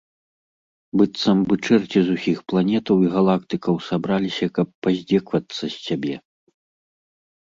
Быццам бы чэрці з усіх планетаў і галактыкаў сабраліся, каб паздзеквацца з цябе.